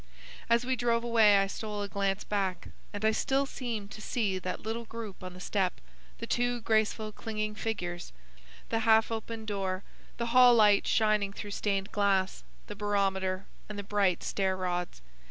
As we drove away I stole a glance back, and I still seem to see that little group on the step, the two graceful, clinging figures, the half opened door, the hall light shining through stained glass, the barometer, and the bright stair rods.